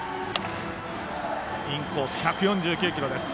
インコース、１４９キロです。